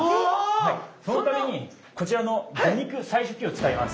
そのためにこちらの魚肉採取機を使います。